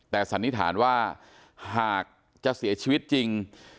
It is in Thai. แต่สันนิษฐานว่าหากจะเสียชีวิตจริง